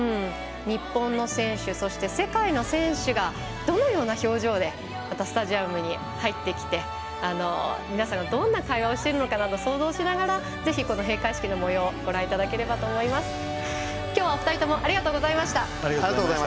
日本の選手そして世界の選手がどのような表情でまたスタジアムに入ってきて皆さんがどんな会話をしているのか想像しながらぜひ閉会式のもようをご覧いただければと思います。